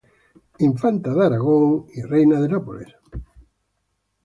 Infanta de Aragón y reina de Nápoles.